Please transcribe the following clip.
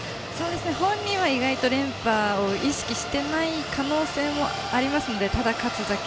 本人は意外と連覇を意識していない可能性もありますのでただ勝つだけ。